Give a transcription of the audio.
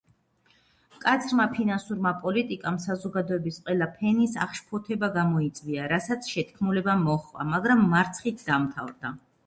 მკაცრმა ფინანსურმა პოლიტიკამ საზოგადოების ყველა ფენის აღშფოთება გამოიწვია, რასაც შეთქმულება მოჰყვა, მაგრამ მარცხით დამთავრდა.